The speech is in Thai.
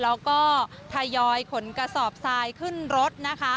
แล้วก็ทยอยขนกระสอบทรายขึ้นรถนะคะ